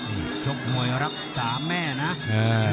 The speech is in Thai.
นี่ชกมวยรักษาแม่นะ